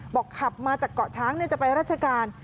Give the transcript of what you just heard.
ขับมาจากเกาะช้างจะไปราชการ